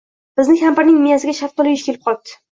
Bizni kampirning miyasiga shaftoli eyish kelib qolibdi